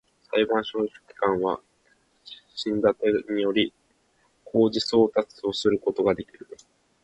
裁判所書記官は、申立てにより、公示送達をすることができる